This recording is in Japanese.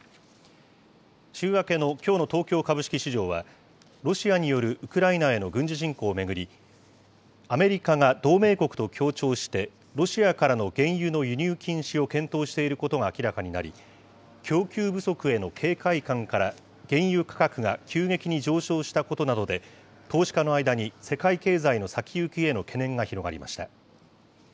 週明けのきょうの東京株式市場は、ロシアによるウクライナへの軍事侵攻を巡り、アメリカが同盟国と協調して、ロシアからの原油の輸入禁止を検討していることが明らかになり、供給不足への警戒感から、原油価格が急激に上昇したことなどで、投資家の間に世界経済の先行きへの懸念が広がりました。